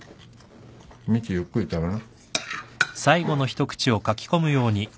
みちゆっくり食べな。